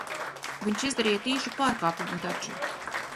Viņš izdarīja tīšu pārkāpumu taču.